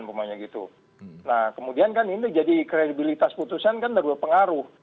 nah kemudian kan ini jadi kredibilitas putusan kan berpengaruh